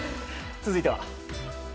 続いては。